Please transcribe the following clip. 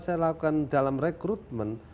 saya lakukan dalam rekrutmen